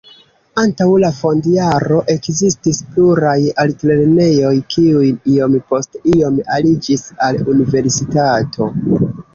Antaŭ la fond-jaro ekzistis pluraj altlernejoj, kiuj iom post iom aliĝis al universitato.